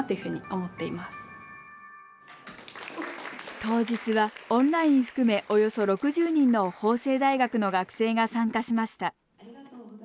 当日はオンライン含めおよそ６０人の法政大学の学生が参加しました。